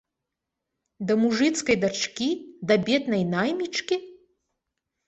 Да мужыцкай дачкі, да беднай наймічкі?